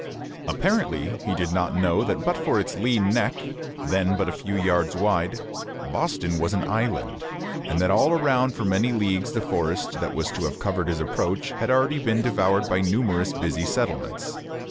Apparently he did not know that but for its lean neck then but a few yards wide Boston was an island, and that all around for many leagues the forest that was to have covered his approach had already been devoured by numerous busy settlements.